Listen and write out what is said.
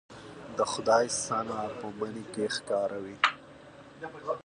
د خدای صنع په مني کې ښکاره وي